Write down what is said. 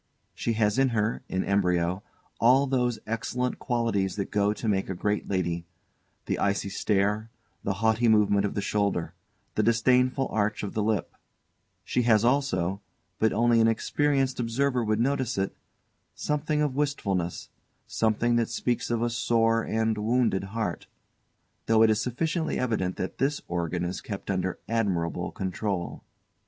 She has in her, in embryo, all those excellent qualities that go to make a great lady: the icy stare, the haughty movement of the shoulder, the disdainful arch of the lip; she has also, but only an experienced observer would notice it, something of wistfulness, something that speaks of a sore and wounded heart though it is sufficiently evident that this organ is kept under admirable control.